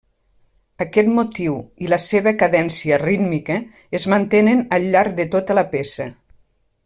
Aquest motiu i la seva cadència rítmica es mantenen al llarg de tota la peça.